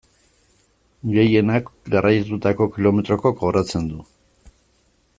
Gehienak garraiatutako kilometroko kobratzen du.